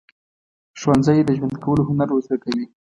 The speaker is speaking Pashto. ښوونځی د ژوند کولو هنر ورزده کوي.